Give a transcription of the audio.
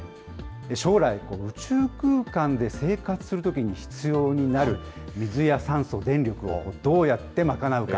将来、宇宙空間で生活するときに必要になる水や酸素、電力をどうやって賄うか。